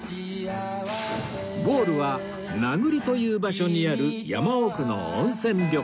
ゴールは名栗という場所にある山奥の温泉旅館